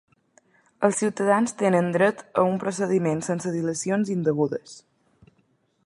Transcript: Els ciutadans tenen dret a un procediment sense dilacions indegudes.